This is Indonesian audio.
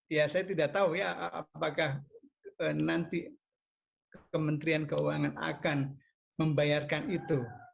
ya saya tidak tahu ya apakah nanti kementerian keuangan akan membayarkan itu